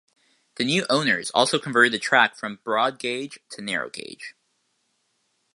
The new owners also converted the track from broad gauge to narrow gauge.